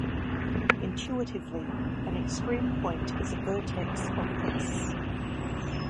Intuitively, an extreme point is a "vertex" of "S".